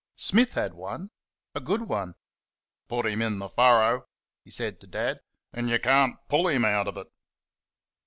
Smith had one a good one. "Put him in the furrow," he said to Dad, "and you can't PULL him out of it."